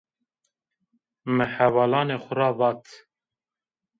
Mi hevalanê xo ra vat